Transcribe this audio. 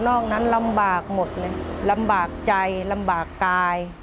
อกนั้นลำบากหมดเลยลำบากใจลำบากกาย